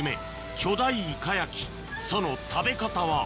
巨大イカ焼きその食べ方は？